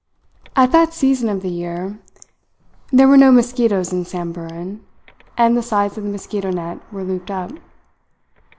At that season of the year there were no mosquitoes in Samburan, and the sides of the mosquito net were looped up.